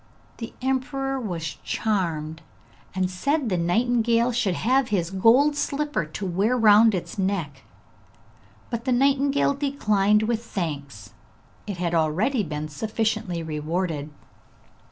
The emperor was charmed, and said the nightingale should have his gold slipper to wear round its neck. But the nightingale declined with thanks; it had already been sufficiently rewarded.